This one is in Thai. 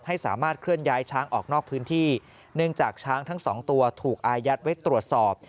ให้สามารถเคลื่อนย้ายช้างออกนอกพื้นที่เนื่องจากช้างทั้งสองตัวถูกอายัดไว้ตรวจสอบ